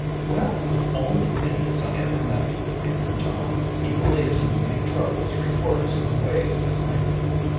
"Well, of all the idiots I ever met!" came from Tom. "He believes in meeting trouble three quarters of the way, doesn't he?"